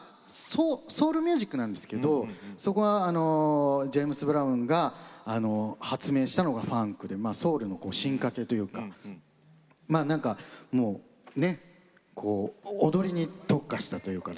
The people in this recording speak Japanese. ソウルミュージックなんですけどそこはジェームス・ブラウンが発明したのがファンクでソウルの進化系というかまあなんかもうねこう踊りに特化したというかね。